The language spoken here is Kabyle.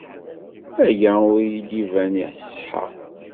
Aya ur iyi-d-iban iṣeḥḥa.